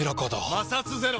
摩擦ゼロ！